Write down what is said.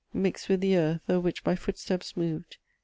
. Mix'd with the earth o'er which my footsteps moved